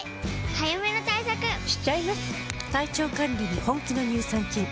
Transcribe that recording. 早めの対策しちゃいます。